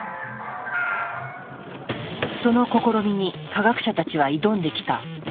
その試みに科学者たちは挑んできた。